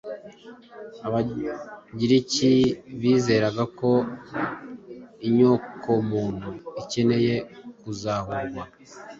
Abagiriki bizeraga ko inyokomuntu ikeneye kuzahurwa,